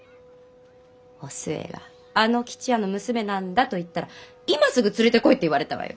お寿恵があの吉也の娘なんだと言ったら今すぐ連れてこいって言われたわよ。